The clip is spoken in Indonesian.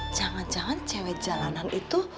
jangan jangan cewek jalanan itu